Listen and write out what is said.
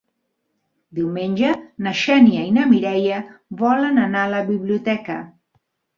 Diumenge na Xènia i na Mireia volen anar a la biblioteca.